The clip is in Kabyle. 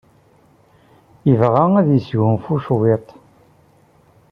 Yebɣa ad yesgunfu cwiṭ.